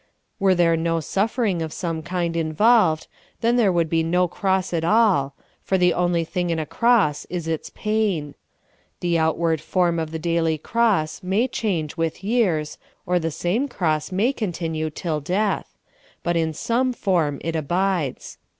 Were there no suffering of some kind involved, then there could be no cross at all, for the only thing in a cross is its pain. The outward form of the daily cross may change with THK DAILY CROSS. 7I years, or the vSame cross may continue till death ; but in some form it abides.